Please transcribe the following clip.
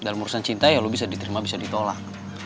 dalam urusan cinta ya lu bisa diterima bisa ditolak